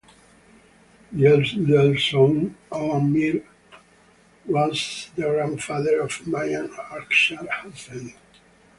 The elder son Alam Meer was the grandfather of Mian Asghar Hussain.